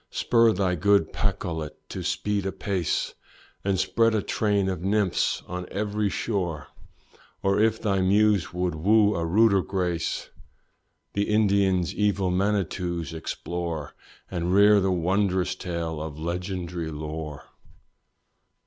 Spur thy good Pacolet to speed apace, And spread a train of nymphs on every shore; Or if thy muse would woo a ruder grace, The Indian's evil Manitou's explore, And rear the wondrous tale of legendary lore.